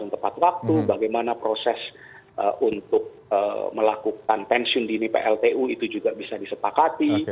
tepat waktu bagaimana proses untuk melakukan pensiun dini pltu itu juga bisa disepakati